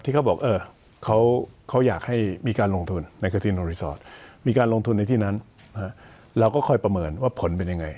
ที่เขาบอกเออเขาอยากให้มีการลงทุนมีการลงทุนในที่นั้นเราก็ค่อยประเมินว่าผลเป็นยังไง